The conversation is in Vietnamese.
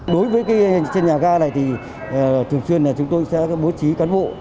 đối với nhà ga này thường xuyên chúng tôi sẽ bố trí cán bộ